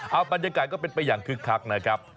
เอาบรรยากาศก็เป็นไปอย่างคึกคักนะครับ